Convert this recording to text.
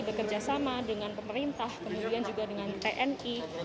bekerjasama dengan pemerintah kemudian juga dengan tni